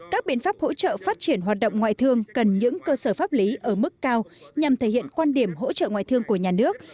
các biện pháp hỗ trợ phát triển hoạt động ngoại thương cần những cơ sở pháp lý ở mức cao nhằm thể hiện quan điểm hỗ trợ ngoại thương của nhà nước